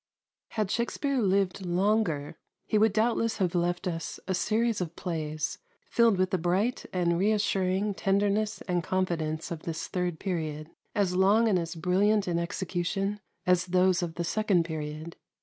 129. Had Shakspere lived longer, he would doubtless have left us a series of plays filled with the bright and reassuring tenderness and confidence of this third period, as long and as brilliant in execution as those of the second period.